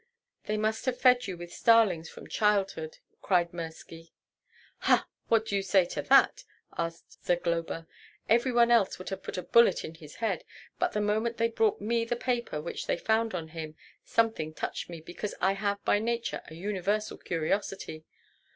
"They must have fed you with starlings from childhood!" cried Mirski. "Ha! what do you say to that?" asked Zagloba. "Every one else would have put a bullet in his head. But the moment they brought me the paper which they found on him, something touched me, because I have by nature a universal curiosity.